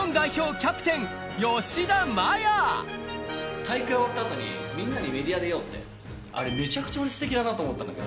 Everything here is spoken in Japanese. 大会終わったあとに、みんなにメディア出ようって、あれ、めちゃくちゃすてきだなって思ったんだけど。